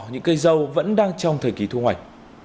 những cây dâu vẫn đang trong thời kỳ thu hoạch